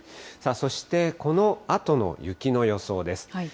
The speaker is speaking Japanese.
そしてこのあとの雪の予想です。